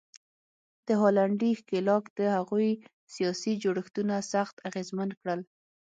د هالنډي ښکېلاک د هغوی سیاسي جوړښتونه سخت اغېزمن کړل.